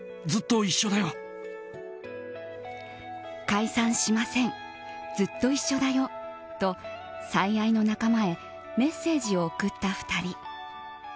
解散しませんずっと一緒だよと最愛の仲間へメッセージを送った２人。